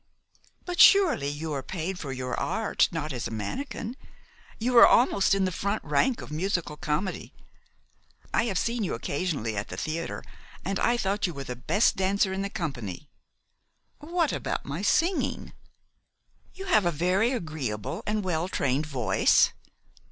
"But surely you are paid for your art, not as a mannikin. You are almost in the front rank of musical comedy. I have seen you occasionally at the theater, and I thought you were the best dancer in the company." "What about my singing?" "You have a very agreeable and well trained voice."